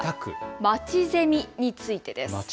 まちゼミについてです。